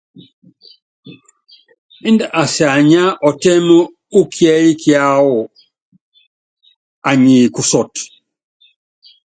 Índɛ asianyíá ɔtɛ́m ukiɛ́yi kiáwɔ, anyi kusɔt.